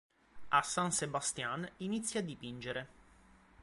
A San Sebastián, inizia a dipingere.